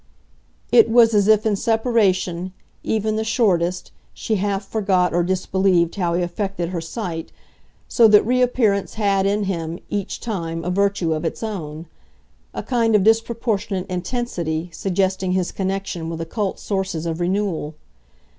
It was as if in separation, even the shortest, she half forgot or disbelieved how he affected her sight, so that reappearance had, in him, each time, a virtue of its own a kind of disproportionate intensity suggesting his connection with occult sources of renewal.